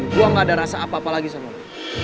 dan gue gak ada rasa apa apa lagi sama lo